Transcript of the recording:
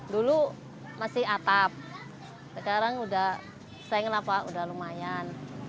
dulu masih atap sekarang udah seng lah pak udah lumayan